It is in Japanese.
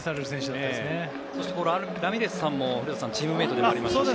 ラミレスさんも古田さんはチームメートでもありましたね。